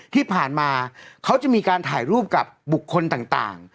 ที่ผ่านมาเขาจะมีการถ่ายรูปกับบุคคลต่าง